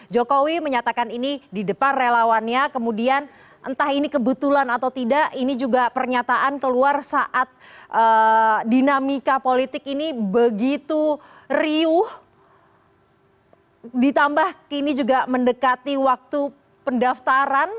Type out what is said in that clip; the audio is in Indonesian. jokowi menyatakan ini di depan relawannya kemudian entah ini kebetulan atau tidak ini juga pernyataan keluar saat dinamika politik ini begitu riuh ditambah kini juga mendekati waktu pendaftaran